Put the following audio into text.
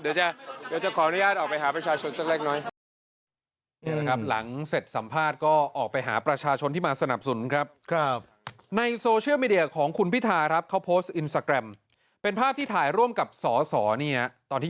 เดี๋ยวจะขออนุญาตออกไปหาประชาชนสักเล็กน้อย